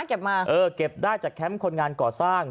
เก็บมาเออเก็บได้จากแคมป์คนงานก่อสร้าง